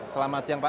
selamat siang pak